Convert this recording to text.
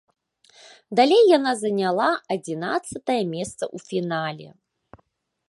Далей яна заняла адзінаццатае месца ў фінале.